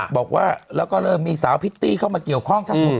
บอกว่าเราก็เริ่มมีสาวพิธริเข้ามาเกี่ยวข้อง